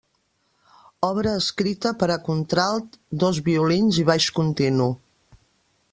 Obra escrita per a contralt, dos violins i baix continu.